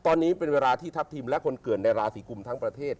ตอนนี้เป็นเวลาที่ทัพทิมและคนเกิดในราศีกุมทั้งประเทศ